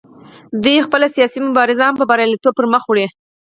دوی خپله سیاسي مبارزه هم په بریالیتوب پر مخ وړي